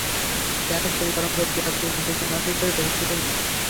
প্যানে তেল গরম করে পেঁয়াজ কুচি দিয়ে সোনালি করে ভেজে তুলে নিন।